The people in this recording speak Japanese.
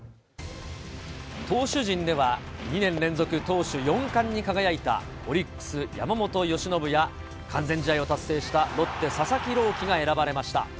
投手陣では、２年連続投手４冠に輝いたオリックス、山本由伸や、完全試合を達成したロッテ、佐々木朗希が選ばれました。